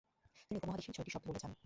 তিনি উপদেশের ছয়টি শব্দ বলে যান।